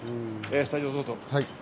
スタジオ、どうぞ。